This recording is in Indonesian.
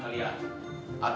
tak pereksatan lihat